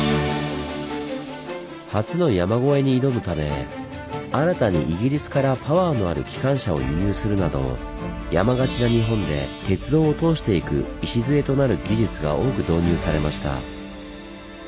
初の山越えに挑むため新たにイギリスからパワーのある機関車を輸入するなど山がちな日本で鉄道を通していく礎となる技術が多く導入されました。